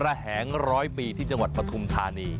ระแหง๑๐๐ปีที่จังหวัดปฐุมธานี